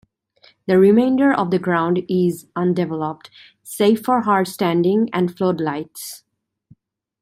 The remainder of the ground is undeveloped, save for hard standing and floodlights.